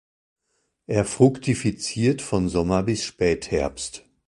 Er fruktifiziert von Sommer bis Spätherbst.